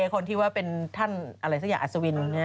คนที่ว่าเป็นท่านอะไรสักอย่างอัศวิน